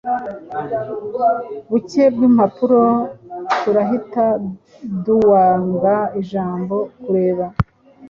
buke bw'impapuroTurahita duanga ijambo "kureba,"